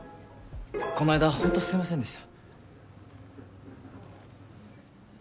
この間本当すいませんでした。